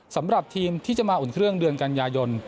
สำหรับทีมที่จะมาอุ่นเครื่องเดือนกันยายน